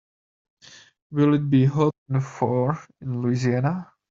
Will it be hot at four in Louisiana?